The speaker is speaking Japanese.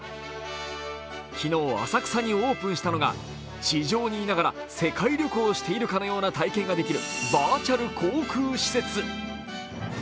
昨日、浅草にオープンしたのが地上にいながら世界旅行をしているかの体験ができるバーチャル航空施設。